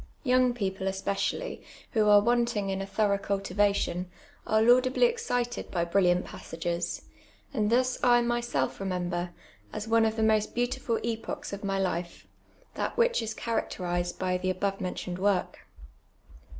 Young people especially, who are wanting in a thorough cultivation, are laudably excited by brilliant passages ; and thus I myself remember, as one of the most beautiful epochs of my life, that which is characterised by the above mentioned work.